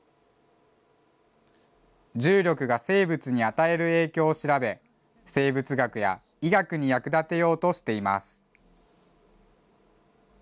重力が生物に与える影響を調べ、生物学や医学に役立てようとしています。